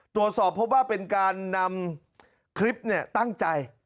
ตัวสอบเพราะว่าเป็นการนำคลิปเนี่ยตั้งใจ